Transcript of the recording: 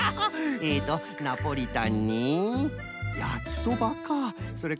えっとナポリタンにやきそばか。